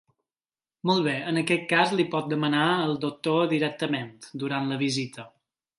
Molt bé, en aquest cas li pot demanar al doctor directament, durant la visita.